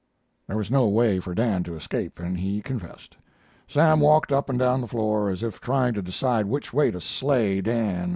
"There was no way for Dan to escape, and he confessed. Sam walked up and down the floor, as if trying to decide which way to slay Dan.